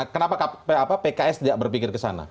kenapa pks tidak berpikir ke sana